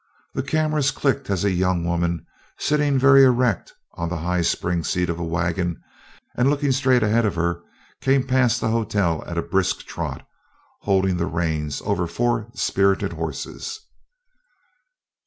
The cameras clicked as a young woman sitting very erect on the high spring seat of a wagon and looking straight ahead of her came past the hotel at a brisk trot, holding the reins over four spirited horses.